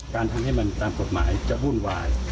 การทำให้มันตามกฎหมายจะวุ่นวาย